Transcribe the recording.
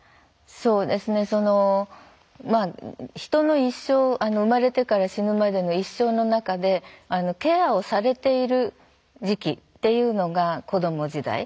そうですね人の一生生まれてから死ぬまでの一生の中でケアをされている時期っていうのが子ども時代。